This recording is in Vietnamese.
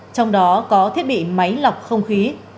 trong đó có thiết bị máy lọc không khí